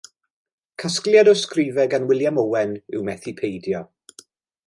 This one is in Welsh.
Casgliad o ysgrifau gan William Owen yw Methu Peidio.